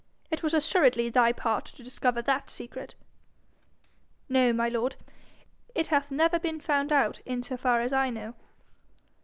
It was assuredly thy part to discover that secret.' 'No, my lord. It hath never been found out in so far as I know.'